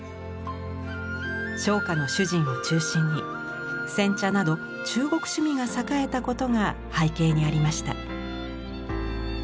商家の主人を中心に煎茶など中国趣味が栄えたことが背景にありました。